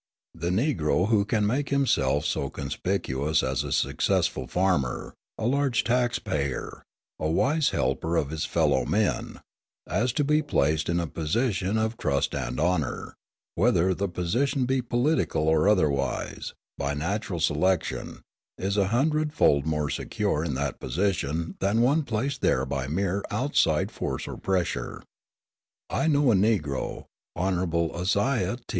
The Negro who can make himself so conspicuous as a successful farmer, a large tax payer, a wise helper of his fellow men, as to be placed in a position of trust and honour, whether the position be political or otherwise, by natural selection, is a hundred fold more secure in that position than one placed there by mere outside force or pressure. I know a Negro, Hon. Isaiah T.